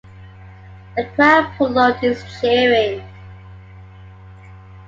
The crowd prolonged its cheering.